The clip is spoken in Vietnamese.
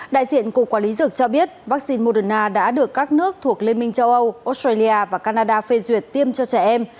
đại diện cục quản lý dược cho biết vaccine moderna đã được các nước thuộc liên minh châu âu australia và canada phê duyệt tiêm cho trẻ em